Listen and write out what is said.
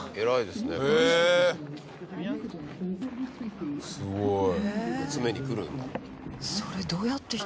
すっごい。